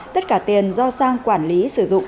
tất cả tiền do sang quản lý sử dụng